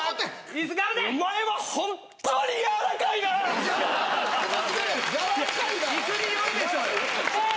椅子によるでしょうよ！